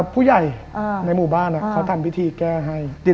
ผู้ใหญ่ในหมู่บ้านเขาทำพิธีแก้ให้